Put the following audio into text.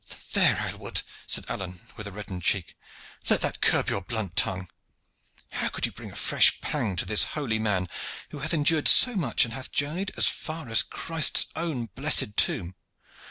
"There, Aylward," said Alleyne, with a reddened cheek, "let that curb your blunt tongue. How could you bring a fresh pang to this holy man, who hath endured so much and hath journeyed as far as Christ's own blessed tomb?"